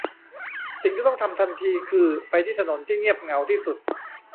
สิ่งที่ต้องทำทันทีคือไปที่ถนนที่เงียบเหงาที่สุด